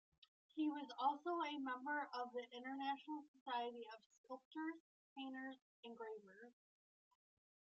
He was also a member of the International Society of Sculptors, Painters and Gravers.